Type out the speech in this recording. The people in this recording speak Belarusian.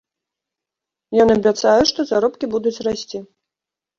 Ён абяцае, што заробкі будуць расці.